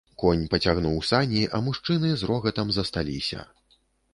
Конь пацягнуў сані, а мужчыны з рогатам засталіся.